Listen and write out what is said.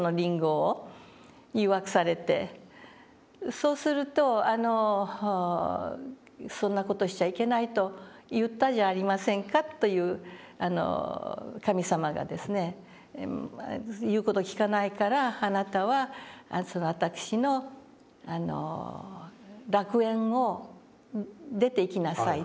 そうすると「そんな事をしちゃいけないと言ったじゃありませんか」と言う神様がですね「言う事を聞かないからあなたは私の楽園を出ていきなさい」と。